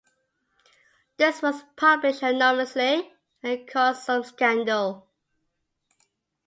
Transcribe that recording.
This was published anonymously and caused some scandal.